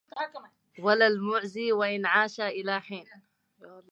وَلا المُعَزّي وَإِن عاشا إِلى حينِ